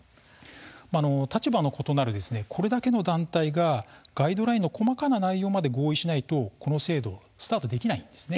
立場の異なるこれだけの団体がガイドラインの細かな内容まで合意しないと、この制度スタートできないんです。